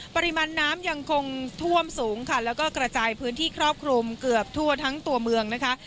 ปริมาณน้ำยังคงท่วมสูงค่ะแล้วก็กระจายพื้นที่ครอบคลุมเกือบทั่วทั้งตัวเมืองนะคะ